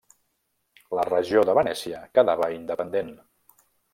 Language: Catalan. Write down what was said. La regió de Venècia quedava independent.